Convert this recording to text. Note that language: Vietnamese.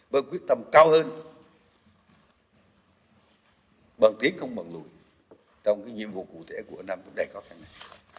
bởi quyết tâm cao hơn bận tiến không bận lùi trong cái nhiệm vụ cụ thể của năm cũng đầy khó khăn này